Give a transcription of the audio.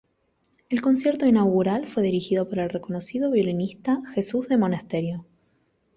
El concierto inaugural fue dirigido por el reconocido violinista Jesús de Monasterio.